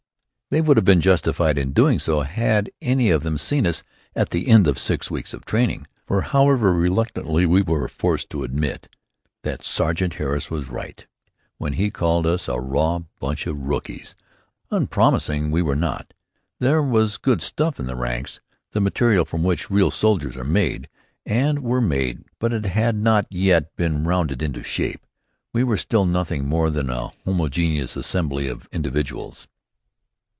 They would have been justified in doing so had any of them seen us at the end of six weeks of training. For, however reluctantly, we were forced to admit that Sergeant Harris was right when he called us "a raw batch o' rookies." Unpromising we were not. There was good stuff in the ranks, the material from which real soldiers are made, and were made; but it had not yet been rounded into shape. We were still nothing more than a homogeneous assembly of individuals.